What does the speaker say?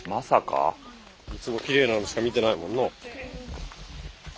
いつもきれいなのしか見てないもんな。